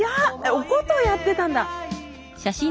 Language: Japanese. お琴をやってたんだ。